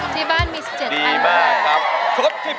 ที่บ้านมี๑๗อันเลยครับดีมากครับครบ๑๘เมื่อไหร่